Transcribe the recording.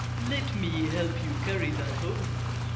"Let me help you carry that home!"